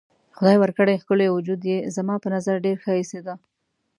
خدای ورکړی ښکلی وجود یې زما په نظر ډېر ښه ایسېده.